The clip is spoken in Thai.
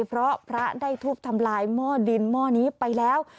เพราะพระได้ทุบทำลายหม้อดินหม้อนี้ไปแล้ว